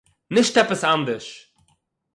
נישט עפּעס אַנדערש